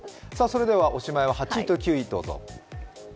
おしまいは８位と９位どうぞ。